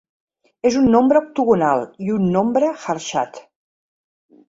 És un nombre octogonal i un nombre Harshad.